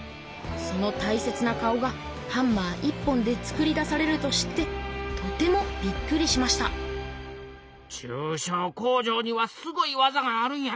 そのたいせつな顔がハンマー１本で作り出されると知ってとてもびっくりしました中小工場にはすごい技があるんやな。